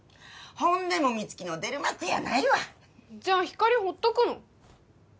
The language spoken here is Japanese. ほんでも美月の出る幕やないわじゃあひかりほっとくの？